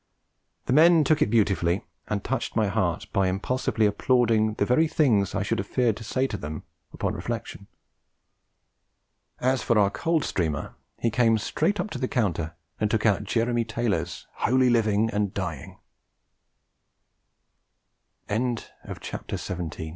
The men took it beautifully, and touched my heart by impulsively applauding the very things I should have feared to say to them upon reflection. As for our Coldstreamer, he came straight up to the counter and took out Jeremy Taylor's Holy Living and Dying! WAR AND THE MAN Not a day bu